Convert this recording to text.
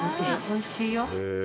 おいしいよ。